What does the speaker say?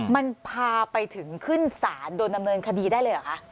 มันพาไปถึงขึ้นศาลโดนดำเนินคดีได้เลยเหรอคะ